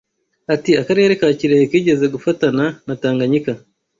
Ati “Akarere ka Kirehe kigeze gufatana na Tanganyika